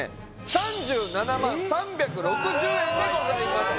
３７万３６０円でございます